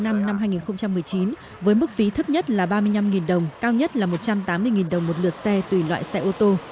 năm hai nghìn một mươi chín với mức phí thấp nhất là ba mươi năm đồng cao nhất là một trăm tám mươi đồng một lượt xe tùy loại xe ô tô